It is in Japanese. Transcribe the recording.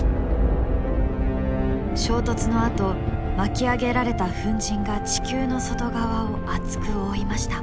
衝突のあと巻き上げられた粉じんが地球の外側を厚く覆いました。